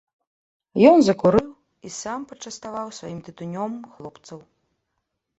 Ён закурыў і сам, пачаставаў сваім тытунём хлопцаў.